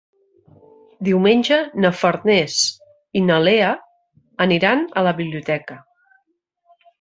Diumenge na Farners i na Lea aniran a la biblioteca.